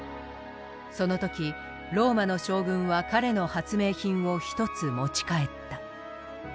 その時ローマの将軍は彼の発明品を１つ持ち帰った。